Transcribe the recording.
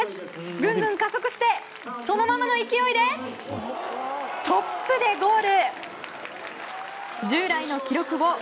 グングン加速してそのままの勢いでトップでゴール。